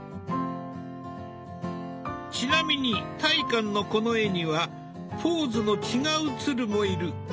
ちなみに大観のこの絵にはポーズの違う鶴もいる。